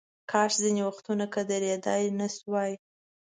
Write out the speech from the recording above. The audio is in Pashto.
کاش ځینې وختونه که درېدای نشوای.